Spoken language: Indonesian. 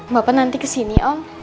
bapak nanti kesini om